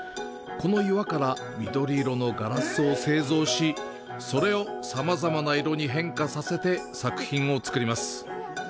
この岩から緑色のガラスを製造し、それをさまざまな色に変化させて作品を作ります。